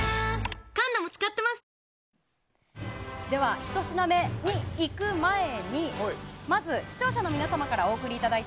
１品目にいく前にまず視聴者の皆さんからお送りいただいた